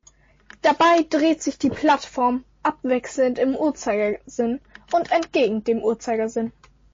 Dabei dreht sich die Plattform abwechselnd im Uhrzeigersinn und entgegen dem Uhrzeigersinn.